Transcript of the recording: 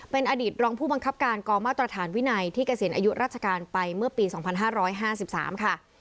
เป็นอดีตรองผู้บังคับการกองมาตรฐานวินัยที่เกษียณอายุราชการไปเมื่อปี๒๕๕๓ค่ะ